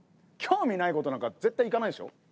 興味ないことなんか絶対いかないでしょ？